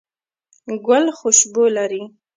ګل خوشبو لري